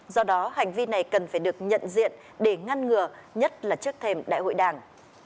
do đó hành vi này cần phải được nhận diện để ngăn ngừa nhất là trước thềm đại hội đảng